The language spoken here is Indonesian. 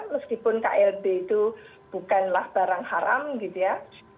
meskipun klb itu bukanlah barang haram gitu ya